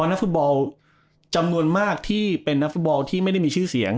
นักฟุตบอลจำนวนมากที่เป็นนักฟุตบอลที่ไม่ได้มีชื่อเสียง